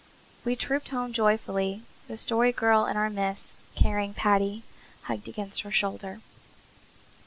We trooped home joyfully, the Story Girl in our midst carrying Paddy hugged against her shoulder.